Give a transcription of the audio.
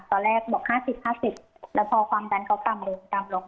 ตอนแรกบอก๕๐๕๐แล้วพอความดันเขาต่ำลงต่ำลง